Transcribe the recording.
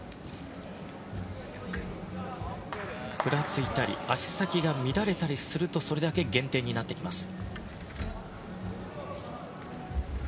ふらついたり足先が乱れたりするとそれだけ減点になってきます。